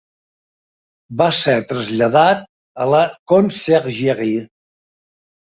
Va ser traslladat a la "Conciergerie".